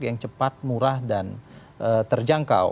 yang cepat murah dan terjangkau